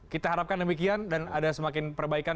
kita harapkan demikian dan ada semakin perbaikan